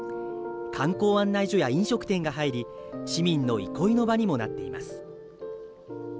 観光案内所や飲食店が入り市民の憩いの場にもなっています。